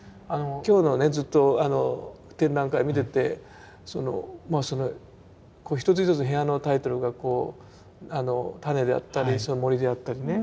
今日のねずっと展覧会見てて一つ一つ部屋のタイトルがこう「種」であったり「森」であったりね。